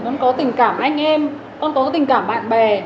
con có tình cảm anh em con có tình cảm bạn bè